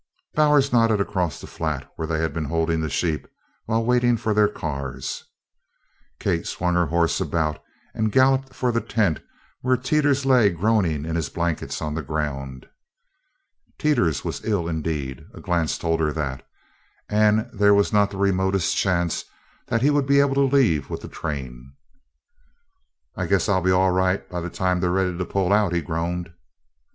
Bowers nodded across the flat where they had been holding the sheep while waiting for their cars. Kate swung her horse about and galloped for the tent where Teeters lay groaning in his blankets on the ground. Teeters was ill indeed a glance told her that and there was not the remotest chance that he would be able to leave with the train. "I guess I'll be all right by the time they're ready to pull out," he groaned.